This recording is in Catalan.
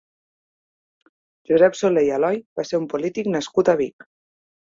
Josep Soler i Aloy va ser un polític nascut a Vic.